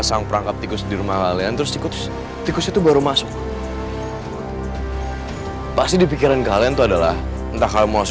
asalkan aku mengakhiri hidup aku sama kamu